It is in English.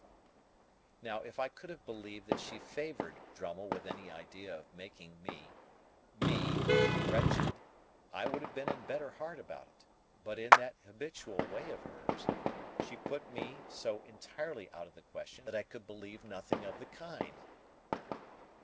Now, if I could have believed that she favoured Drummle with any idea of making me—me—wretched, I should have been in better heart about it; but in that habitual way of hers, she put me so entirely out of the question, that I could believe nothing of the kind.